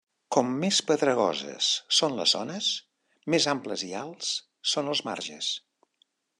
Com més pedregoses són les zones, més amples i alts són els marges.